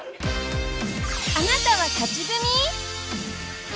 あなたは勝ち組？